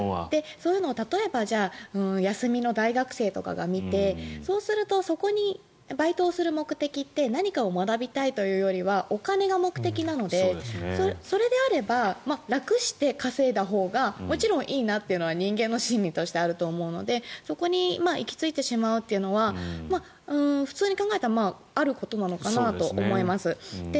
そういうのを、例えば休みの大学生とかが見てそうするとそこにバイトをする目的って何かを学びたいというよりはお金が目的なのでそれであれば楽して稼いだほうがもちろんいいなっていうのは人間の心理としてあると思うのでそこに行き着いてしまうというのは普通に考えたらあることなのかなと思います。